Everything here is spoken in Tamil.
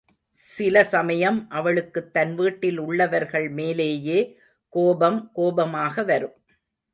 சில சமயம் அவளுக்குத் தன் வீட்டில் உள்ளவர்கள் மேலேயே கோபம் கோபமாக வரும்.